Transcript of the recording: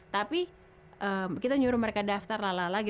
tapi kita nyuruh mereka daftar lalai lalai